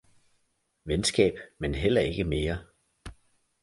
Venskab, men heller ikke mere!